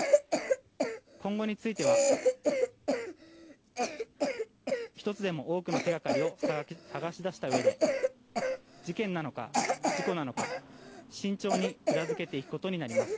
今後については１つでも多くの手掛かりを探し出したうえで事件なのか事故なのか、慎重に裏付けていくことになります。